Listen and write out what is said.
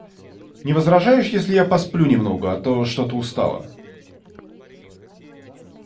Не возражаешь, если я посплю немного, а то что-то устала?